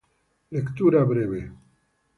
Lectura Breve